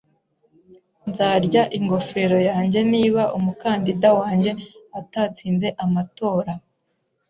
Nzarya ingofero yanjye niba umukandida wanjye atatsinze amatora.